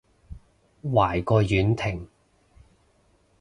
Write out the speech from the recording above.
壞過婉婷